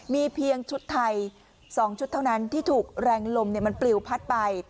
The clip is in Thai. มีเพียงชุดไทย๒ชุดเท่านั้นที่ถูกแรงลมมันปลิวพัดไป